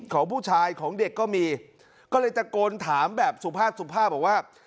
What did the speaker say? ของผู้ชายของเด็กก็มีก็เลยตะโกนถามแบบสุภาพสุภาพบอกว่า